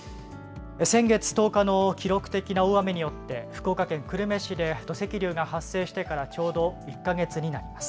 先月１０日の記録的な大雨によって福岡県久留米市で土石流が発生してからちょうど１か月になります。